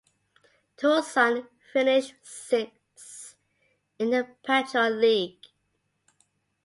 Towson finished sixth in the Patriot League.